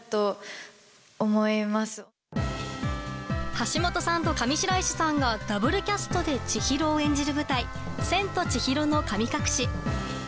橋本さんと上白石さんがダブルキャストで千尋を演じる舞台「千と千尋の神隠し」。